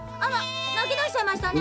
なきだしちゃいましたね。